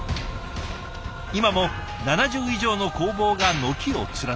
今も７０以上の工房が軒を連ねます。